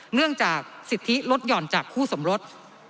เนื่องจากสิทธิลดหย่อนจากคู่สมรส